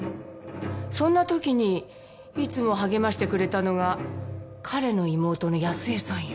そんな時にいつも励ましてくれたのが彼の妹の康江さんよ。